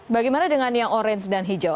bagaimana dengan yang orange dan hijau